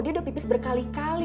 dia udah pipis berkali kali